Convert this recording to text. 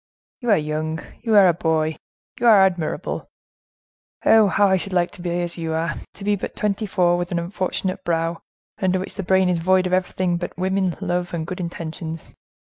"You are young, you are a boy, you are admirable. Oh, how I should like to be as you are! To be but twenty four, with an unfortunate brow, under which the brain is void of everything but women, love, and good intentions.